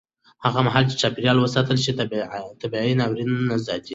هغه مهال چې چاپېریال وساتل شي، طبیعي ناورینونه نه زیاتېږي.